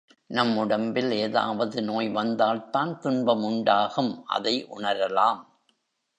நம் உடம்பில் ஏதாவது நோய் வந்தால்தான் துன்பம் உண்டாகும் அதை உணரலாம்.